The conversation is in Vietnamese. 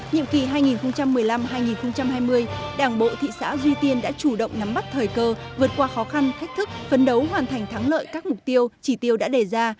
nhiệm kỳ hai nghìn một mươi năm hai nghìn hai mươi đảng bộ thị xã duy tiên đã chủ động nắm bắt thời cơ vượt qua khó khăn thách thức phấn đấu hoàn thành thắng lợi các mục tiêu chỉ tiêu đã đề ra